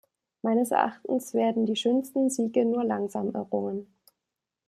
Meines Erachtens werden die schönsten Siege nur langsam errungen.